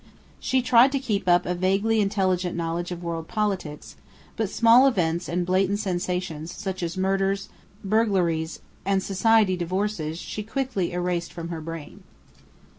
She tried to keep up a vaguely intelligent knowledge of world politics, but small events and blatant sensations, such as murders, burglaries, and "society" divorces, she quickly erased from her brain.